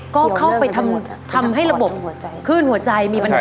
ก็เข้าไปทำให้ระบบคลื่นหัวใจมีปัญหา